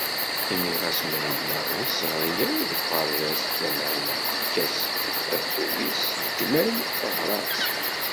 Imi ɣas ma yella ur tt-teɣri ara deg uɣerbaz, lameεna tefka-s akud-is s lekmal, teɣṛa-tt.